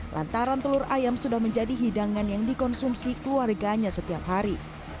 lantaran telur ayam sudah menjadi hidangan yang dikonsumsi keluarganya setiap hari